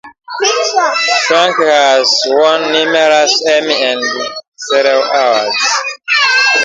Frank has won numerous Emmy and Cleo awards.